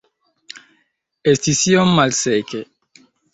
Estis iom malseke.